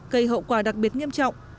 gây hậu quả đặc biệt nghiêm trọng